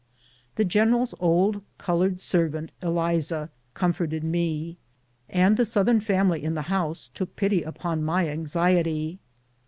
The general's old colored servant, Eliza, comforted me, and the Southern family in the house took pity upon my anxiety.